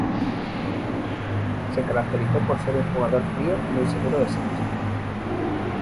Se caracterizó por ser un jugador frío y muy seguro de sí mismo.